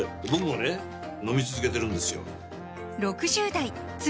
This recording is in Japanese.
飲み続けてるんですよ